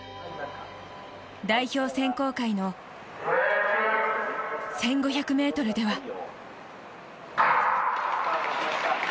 代表選考会の１５００ｍでは。